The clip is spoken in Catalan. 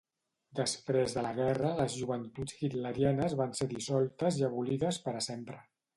Després de la guerra, les Joventuts Hitlerianes van ser dissoltes i abolides per a sempre.